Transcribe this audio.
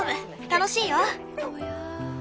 楽しいよ。